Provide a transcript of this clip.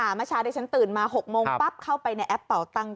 ใช่ค่ะเมื่อเช้าเดี๋ยวฉันตื่นมา๖โมงปั๊บเข้าไปในแอปเป่าตังค์